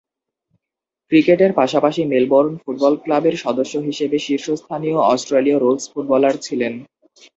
ক্রিকেটের পাশাপাশি Melbourne football ক্লাবের সদস্য হিসেবে শীর্ষস্থানীয় অস্ট্রেলীয় রুলস ফুটবলার ছিলেন।